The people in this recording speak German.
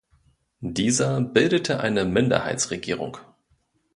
Dieser bildete eine Minderheitsregierung.